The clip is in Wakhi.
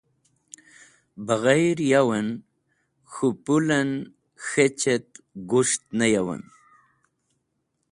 Baghayr yowen k̃hũ pũl en k̃hech et gus̃ht ne yawem.